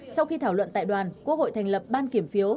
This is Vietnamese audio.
sau khi thảo luận tại đoàn quốc hội thành lập ban kiểm phiếu